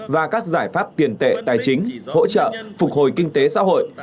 và các giải pháp tiền tệ tài chính hỗ trợ phục hồi kinh tế xã hội